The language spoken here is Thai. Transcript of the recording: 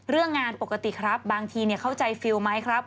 เรื่องงานปกติครับบางทีเข้าใจฟิลล์ไหมครับ